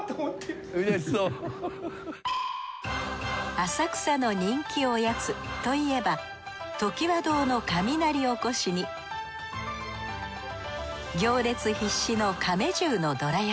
浅草の人気おやつといえば常盤堂の雷おこしに行列必至の亀十のどら焼。